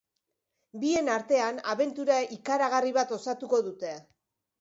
Bien artean abentura ikaragarri bat osatuko dute.